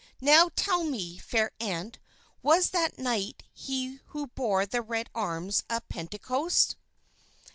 Now, tell me, fair aunt, was that knight he who bore the red arms at Pentecost?"